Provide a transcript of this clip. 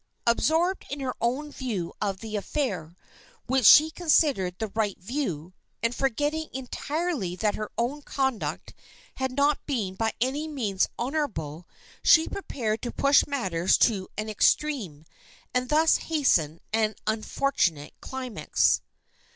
Absorbed in her own view of the affair, which she considered the right view, and forgetting entirely that her own conduct had not been by any means honorable, she prepared to push matters to an ex treme, and thus hasten an unfortunate climax.